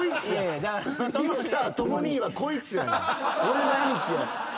俺の兄貴や。